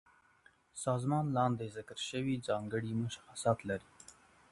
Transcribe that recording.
سازمان لاندې ذکر شوي ځانګړي مشخصات لري.